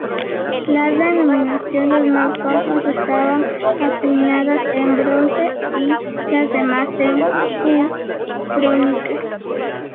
Las denominaciones más bajas estaban acuñadas en bronce y las demás en cuproníquel.